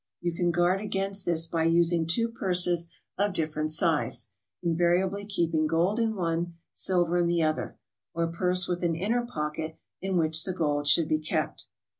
You can guard against this by using two purses of different size, invariably keeping gold in one, silver in the other; or a purse with an inner pocket in which the gold should be kept.